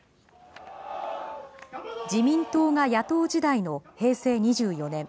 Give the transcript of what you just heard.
自民党が野党時代の平成２４年。